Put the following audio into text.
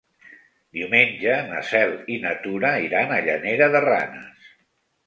Diumenge na Cel i na Tura iran a Llanera de Ranes.